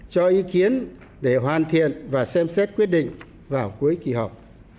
cho ý kiến để hoàn thiện và xem xét quyết định vào cuối kỳ họp